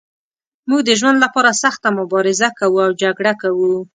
موږ د ژوند لپاره سخته مبارزه کوو او جګړه کوو.